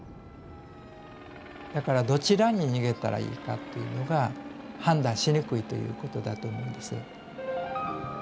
だからどちらに逃げたらいいかっていうのが判断しにくいということだと思うんです。